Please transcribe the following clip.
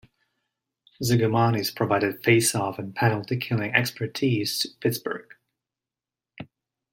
Zigomanis provided faceoff and penalty killing expertise to Pittsburgh.